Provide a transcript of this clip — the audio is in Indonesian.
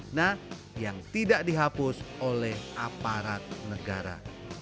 nah yang tidak dihapus oleh aparat negara